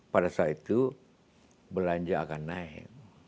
pada saat itu belanja akan naik